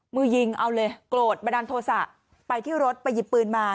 มือยิงเอาเลยโกรธบันดาลโทษะไปที่รถไปหยิบปืนมา